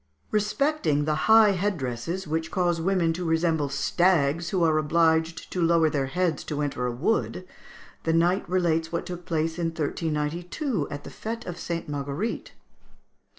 '" Respecting the high head dresses "which cause women to resemble stags who are obliged to lower their heads to enter a wood," the knight relates what took place in 1392 at the fête of St. Marguerite.